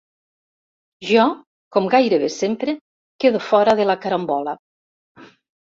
Jo, com gairebé sempre, quedo fora de la carambola.